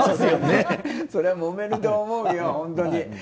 そりゃもめると思うよ。